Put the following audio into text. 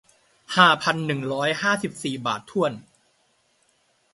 ห้าพันหนึ่งร้อยห้าสิบสี่บาทถ้วน